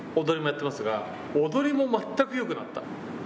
踊りもやってますが、踊りも全くよくなった。